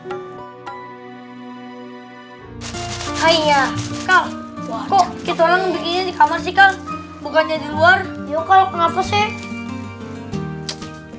kal kok kita orang bikinnya di kamar sih kal